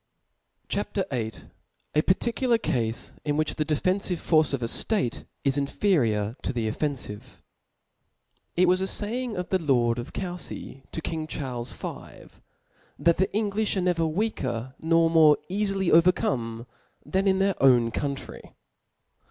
CHAP. VIIL A parttciilar Cafe in which the defenfive Force of a State is inferior to the o£enfive^ TT was a faying of the lord of C(7/^fy*to king^ ^ Charles V. that the Englijb are never weaker^ nor eafier overcome than in tt^ir owtt country.